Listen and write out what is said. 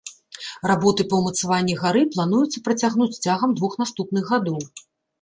Работы па ўмацаванні гары плануецца працягнуць цягам двух наступных гадоў.